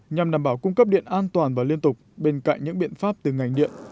nhằm đảm bảo cung cấp điện an toàn và liên tục bên cạnh những biện pháp từ ngành điện